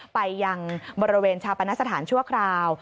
ไปยังบริเวณชาปนสถานชั่วคราว